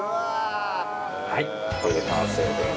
はいこれで完成です。